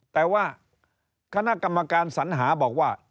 แต่ว่าคณะกรรมการสัญหาบอกว่า